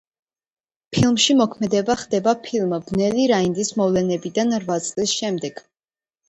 ფილმში მოქმედება ხდება ფილმ „ბნელი რაინდის“ მოვლენებიდან რვა წლის შემდეგ.